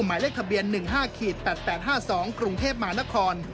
หมายเลขทะเบียน๑๕๘๘๕๒กรุงเทพมหานคร